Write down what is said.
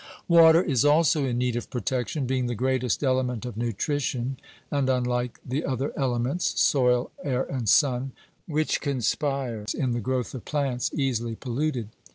Water is also in need of protection, being the greatest element of nutrition, and, unlike the other elements soil, air, and sun which conspire in the growth of plants, easily polluted.